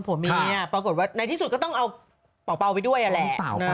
ผมมีนี้ยาภาพปรากฏว่าในที่สุดก็ต้องเอาเปาเปาไปด้วยอ่ะแหละ